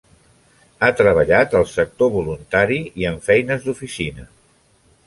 Ha treballat al sector voluntari i en feines d'oficina.